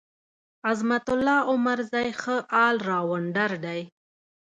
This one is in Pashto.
عظمت الله عمرزی ښه ال راونډر دی.